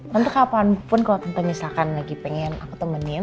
tante kapanpun kalau tante misalkan lagi pengen aku temenin